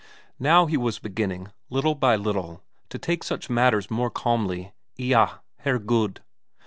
Now he was beginning, little by little, to take such matters more calmly; eyah, Herregud!